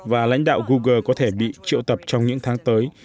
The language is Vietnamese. và lãnh đạo google có thể bị triệu tập trong những tháng tới